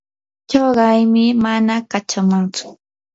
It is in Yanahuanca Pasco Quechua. chuqaymi mana kachamantsu.